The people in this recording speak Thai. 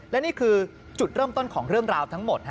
และนี่คือจุดเริ่มต้นของเรื่องราวทั้งหมด